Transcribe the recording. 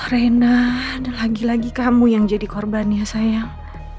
rina ada lagi lagi kamu yang jadi korban ya sayang